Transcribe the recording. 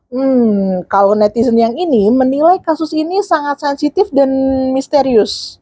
hmm kalau netizen yang ini menilai kasus ini sangat sensitif dan misterius